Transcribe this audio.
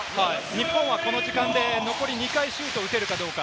日本はこの時間で２回シュートを打てるかどうか。